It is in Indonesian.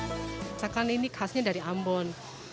misalkan ini khasnya dari ambon